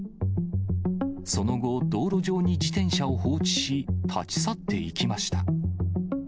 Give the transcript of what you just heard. その後、道路上に自転車を放置し、立ち去っていきました。